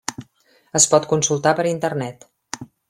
Es pot consultar per internet.